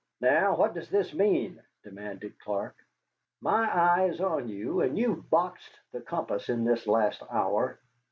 "Now, what does this mean?" demanded Clark; "my eye is on you, and you've boxed the compass in this last hour."